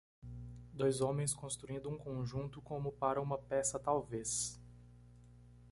Dois homens construindo um conjunto como para uma peça talvez.